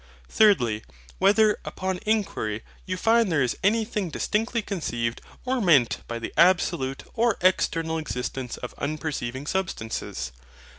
Thirdly, Whether, upon inquiry, you find there is anything distinctly conceived or meant by the ABSOLUTE OR EXTERNAL EXISTENCE OF UNPERCEIVING SUBSTANCES?